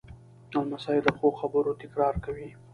لمسی د ښو خبرو تکرار کوي.